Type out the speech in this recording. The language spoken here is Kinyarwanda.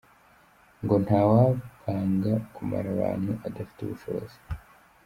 Ngo nta wapanga kumara abantu adafite ubushobozi.